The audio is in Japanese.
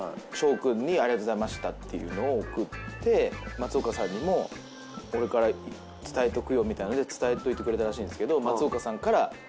松岡さんにも「俺から伝えとくよ」みたいので伝えといてくれたらしいんですけど。